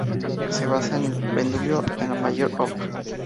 Se basa en el Preludio en la mayor, Op.